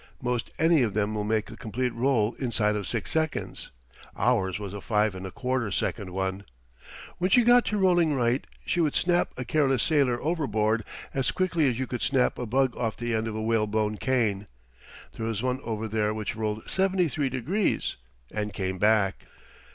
Most any of them will make a complete roll inside of six seconds. Ours was a 5 1/4 second one. When she got to rolling right, she would snap a careless sailor overboard as quickly as you could snap a bug off the end of a whalebone cane. There is one over there which rolled 73 degrees and came back.